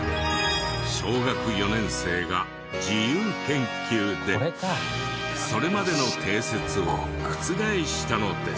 小学４年生が自由研究でそれまでの定説を覆したのです。